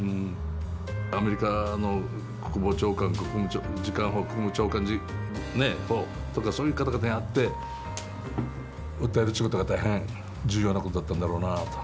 アメリカの国防長官国務次官補国務長官とかそういう方々に会って訴えるっちゅうことが大変重要なことだったんだろうなと。